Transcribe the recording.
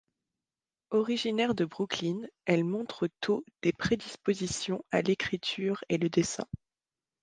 Originaire de Brooklyn, elle montre tôt des prédisposition à l'écriture et le dessin.